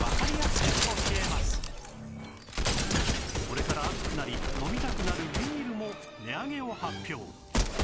これから暑くなり飲みたくなるビールも値上げを発表